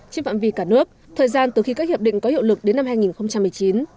trên phạm vi cả nước thời gian từ khi các hiệp định có hiệu lực đến năm hai nghìn một mươi chín